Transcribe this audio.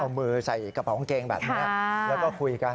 เอามือใส่กระเป๋ากางเกงแบบนี้แล้วก็คุยกัน